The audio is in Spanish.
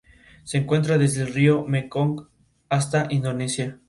En los alrededores de Alto del Buey, crece principalmente bosque caducifolio perennifolio.